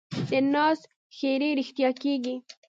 د ناز ښېرې رښتیا کېږي.